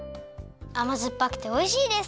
あまずっぱくておいしいです。